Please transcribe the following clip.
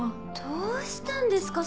どうしたんですか？